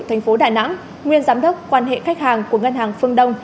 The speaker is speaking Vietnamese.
thành phố đà nẵng nguyên giám đốc quan hệ khách hàng của ngân hàng phương đông